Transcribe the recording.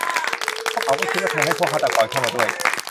พวกเขาก็คิดว่าเธอให้พวกฆาตกรเข้ามาด้วย